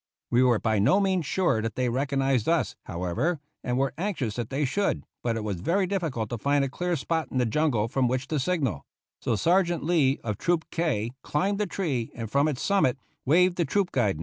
We were by no means sure that they recognized us, however, and were anxious that they should, but it was very difficult to find a clear spot in the jungle from which to signal ; so Sergeant Lee of Troop K climbed a tree and from its summit waved the troop guidon.